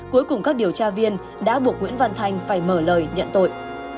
cuối cùng các điều tra viên đã buộc nguyễn văn thành phải mở lời nhận tội